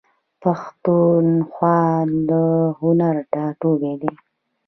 پښتونخوا د هنر ټاټوبی دی.